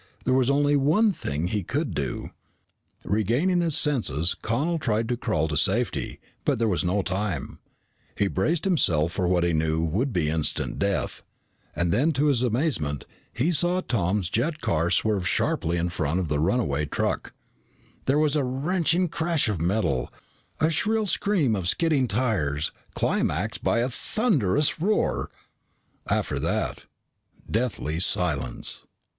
There was only one thing he could do. Regaining his senses, Connel tried to crawl to safety, but there was no time. He braced himself for what he knew would be instant death, and then to his amazement he saw Tom's jet car swerve sharply in front of the runaway truck. [Illustration: Tom swerved the jet car in front of the runaway truck] There was a wrenching crash of metal, a shrill scream of skidding tires, climaxed by a thunderous roar. After that, deathly silence.